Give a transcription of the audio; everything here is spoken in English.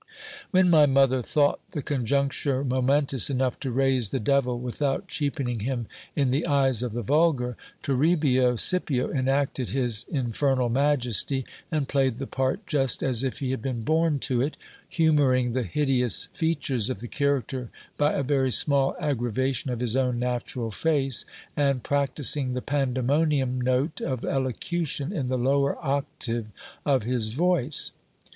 When my mother thought the conjuncture momentous enough to raise the devil without cheapening him in the eyes of the vulgar, Torribio Scipio enacted his infernal majesty, and played the part just as if he had been born to it, humouring the hideous features of the character by a very small aggravation of his own natural face, and practising the pandemonian note of elocution in the lower octave of his voice.